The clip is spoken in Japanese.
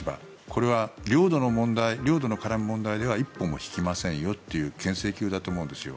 これは領土を絡む問題では一歩も引きませんよというけん制球だと思うんですよ。